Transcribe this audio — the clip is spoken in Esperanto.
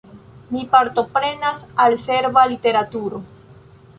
Mi apartenas al serba literaturo.